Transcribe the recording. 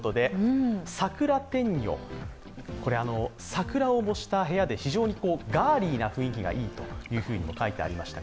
桜をもした部屋で、非常にガーリーな雰囲気がいいと書いてありました。